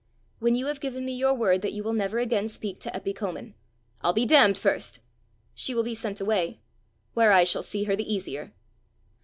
"When you have given me your word that you will never again speak to Eppy Comin." "I'll be damned first." "She will be sent away." "Where I shall see her the easier."